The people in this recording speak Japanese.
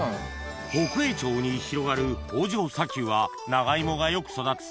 北栄町に広がる北条砂丘は長いもがよく育つ